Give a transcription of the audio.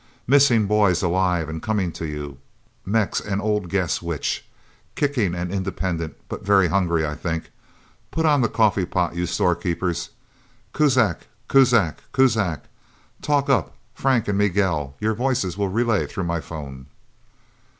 "Missing boys alive and coming to you. Mex and old Guess Which... Kicking and independent, but very hungry, I think... Put on the coffee pot, you storekeepers... Kuzak... Kuzak... Kuzak... Talk up, Frank and Miguel. Your voices will relay through my phone..."